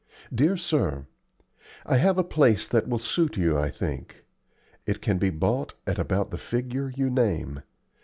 Dear Sir I have a place that will suit you I think. It can be bought at about the figure you name.